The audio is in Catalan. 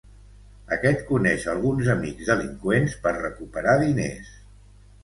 Aquest coneix alguns amics delinqüents per recuperar diners.